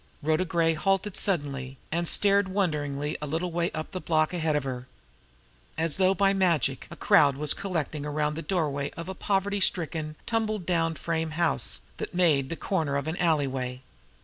Rhoda Gray halted suddenly, and stared wonderingly a little way up the block ahead of her. As though by magic a crowd was collecting around the doorway of a poverty stricken, tumble down frame house that made the corner of an alleyway.